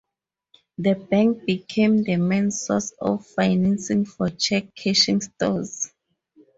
The bank became the main source of financing for check cashing stores.